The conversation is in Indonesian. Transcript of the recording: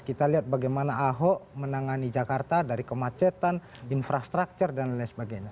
kita lihat bagaimana ahok menangani jakarta dari kemacetan infrastruktur dan lain sebagainya